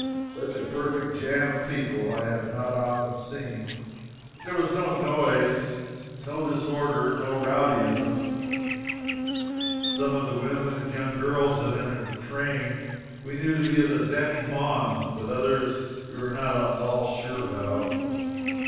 Such a perfect jam of people I have not often seen but there was no noise, no disorder, no rowdyism. Some of the women and young girls that entered the train we knew to be of the demi monde, but others we were not at all sure about.